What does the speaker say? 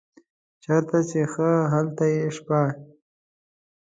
چیرته چې ښه هلته یې شپه.